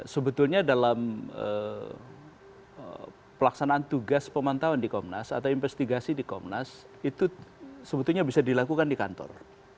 sebetulnya dalam pelaksanaan tugas pemantauan di komnas atau investigasi di komnas itu sebetulnya bisa dilakukan di kantor